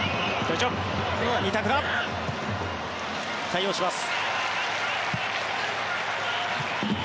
対応します。